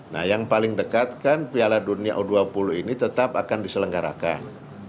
nah yang paling dekat kan piala dunia u dua puluh ini tetap akan diselenggarakan